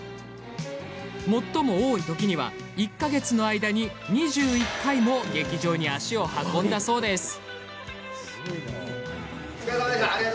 最も多いときには１か月の間に２１回も劇場に足を運んだそうです。